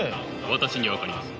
私には分かります。